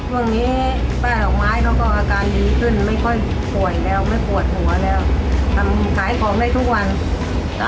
ช่วงนี้ป้าดอกไม้เขาก็อาการดีขึ้นไม่ค่อยป่วยแล้วไม่ปวดหัวแล้วทำขายของได้ทุกวันอ่า